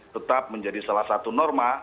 tetap menjadi salah satu norma